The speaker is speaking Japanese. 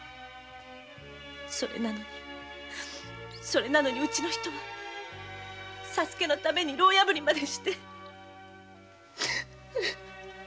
それなのにうちの人は左助のために牢破りまでして。